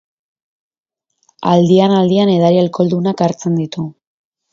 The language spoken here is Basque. Aldian-aldian edari alkoholdunak hartzen ditu.